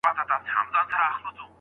زه د دردونو د پاچا په حافظه کې نه يم